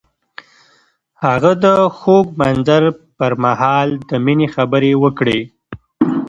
هغه د خوږ منظر پر مهال د مینې خبرې وکړې.